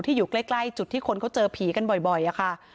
อยู่ใกล้จุดที่คนเขาเจอผีกันบ่อยค่ะ